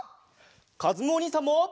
かずむおにいさんも。